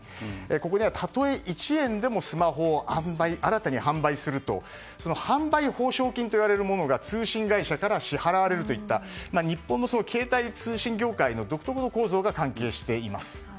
ここではたとえ１円でもスマホを新たに販売するとその販売報奨金といわれるものが通信会社から支払われるといった日本の携帯通信業界の独特な構造が関係しています。